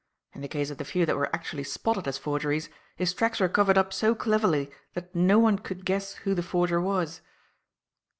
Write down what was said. In the case of the few that were actually spotted as forgeries, his tracks were covered up so cleverly that no one could guess who the forger was."